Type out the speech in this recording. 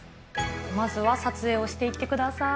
まずは撮影をしていってください。